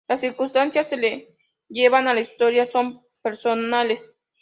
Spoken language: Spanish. Las circunstancias que le llevan a la Historia son personales.